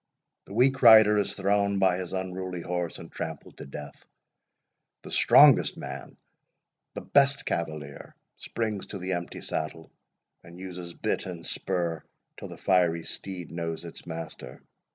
The weak rider is thrown by his unruly horse, and trampled to death—the strongest man, the best cavalier, springs to the empty saddle, and uses bit and spur till the fiery steed knows its master.